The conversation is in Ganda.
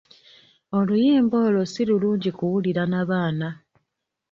Oluyimba olwo si lulungi kuwulira na baana.